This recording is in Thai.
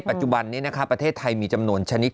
ปัจจุบันนี้ประเทศไทยมีจำนวนชนิด